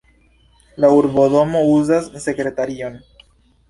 La urbodomo uzas sekretarion.